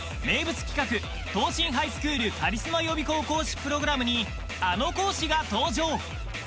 名物企画東進ハイスクールカリスマ予備校講師プログラムにあの講師が登場！